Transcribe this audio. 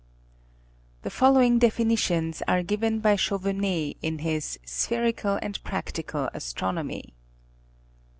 Tue following definitions are given by Chauvenet in his Spher ical and Practical Astronomy.